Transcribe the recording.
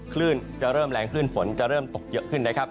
คลื่นจะเริ่มแรงขึ้นฝนจะเริ่มตกเยอะขึ้นนะครับ